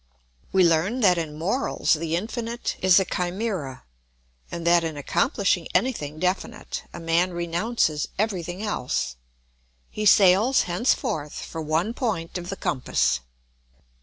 We learn that in morals the infinite is a chimera, and that in accomplishing anything definite a man renounces everything else. He sails henceforth for one point of the compass.